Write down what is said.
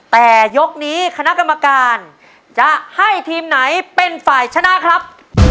แต่ยกนี้คณะกรรมการจะให้ทีมไหนเป็นฝ่ายชนะครับ